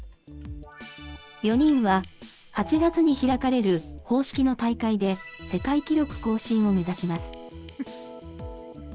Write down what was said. ４人は８月に開かれる公式の大会で、世界記録更新を目指します。